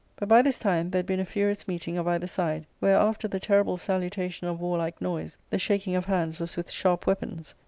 But by this time there had been a furious meeting of either side, where, after the terrible salutation of warlike noise, the shaking of hands was with sharp weapons.